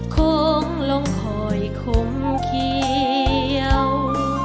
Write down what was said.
คงลงคอยคมเขียว